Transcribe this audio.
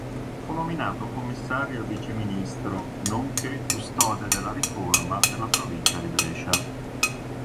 Fu nominato commissario e viceministro nonché Custode della riforma per la provincia di Brescia.